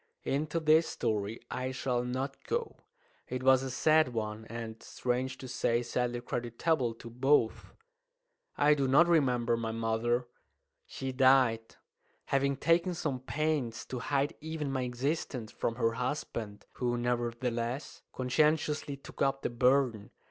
Into this story I shall not go. It was a sad one, and, strange to say, sadly creditable to both. I do not remember my mother. She died, having taken some pains to hide even my existence from her husband, who, nevertheless, conscientiously took up the burden.